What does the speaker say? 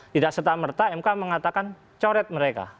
tidak serta merta mk mengatakan coret mereka